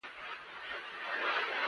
د موټر قیمت متغیر دی.